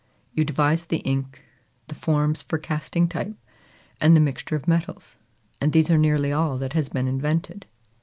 You devised the ink, the forms for casting type, and the mixture of metals; and these are nearly all that has been invented.